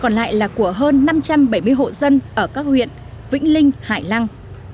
còn lại là của hơn năm trăm bảy mươi hộ dân ở các huyện vĩnh linh hải lăng